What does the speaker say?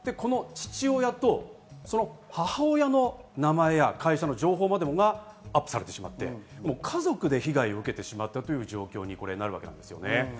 父親とその母親の名前や会社の情報までもがアップされてしまって家族で被害を受けてしまった状況です。